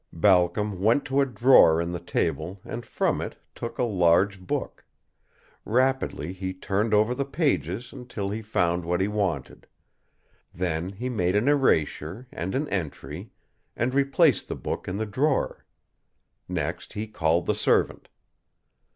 Balcom went to a drawer in the table and from it took a large book. Rapidly he turned over the pages until he found what he wanted. Then he made an erasure and an entry and replaced the book in the drawer. Next he called the servant.